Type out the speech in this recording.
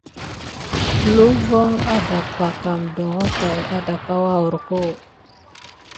Kihule von adaba kam ɗoŋho tät adanka wuyarko.